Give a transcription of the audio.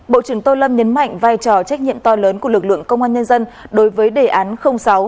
bộ trưởng tô lâm nhấn mạnh vai trò trách nhiệm to lớn của lực lượng công an nhân dân đối với đề án sáu